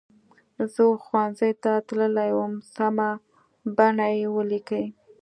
زه ښوونځي ته تللې وم سمه بڼه یې ولیکئ.